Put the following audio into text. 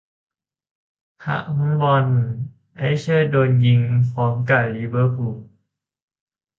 ทั้งบอล ไอ้เชิดโดนยิงพร้อมกะลิเวอร์พูล